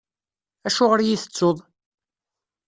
Acuɣeṛ i iyi-tettuḍ?